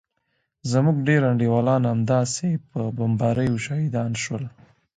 زموږ ډېر انډيوالان همداسې په بمباريو شهيدان سول.